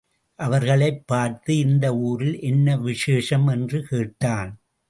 அவர்களைப் பார்த்து இந்த ஊரில் என்ன விசேஷம்? என்று கேட்டான்.